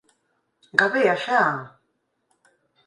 Gabea xa!”